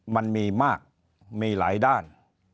มันมีมากมีหลายด้าน